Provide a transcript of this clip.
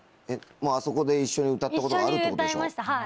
あそこで一緒に歌ったことがあるってことでしょ？